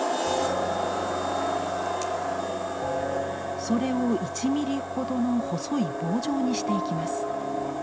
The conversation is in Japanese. それを１ミリほどの細い棒状にしていきます。